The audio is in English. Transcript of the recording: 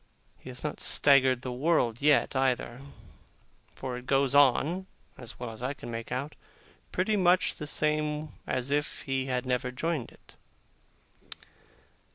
He has not staggered the world yet, either; for it goes on (as well as I can make out) pretty much the same as if he had never joined it.